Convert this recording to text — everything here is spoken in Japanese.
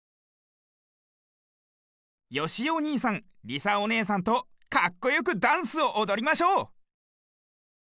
よしおにいさんりさおねえさんとかっこよくダンスをおどりましょう！